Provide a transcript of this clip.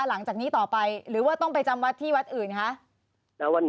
หลังจากนี้ต่อไปหรือว่าต้องไปจำวัดที่วัดอื่นคะ